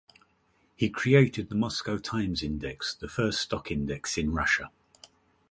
He created the Moscow Times Index, the first stock index in Russia.